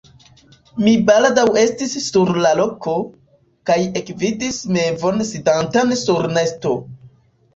Mi baldaŭ estis sur la loko, kaj ekvidis mevon sidantan sur nesto.